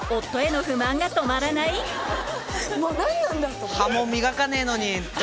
もう何なんだと思って。